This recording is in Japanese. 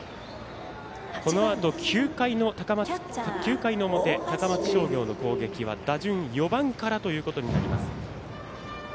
このあと９回の表高松商業の攻撃は打順４番からということになります。